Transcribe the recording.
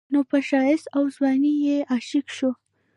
نو پۀ ښايست او ځوانۍ يې عاشقه شوه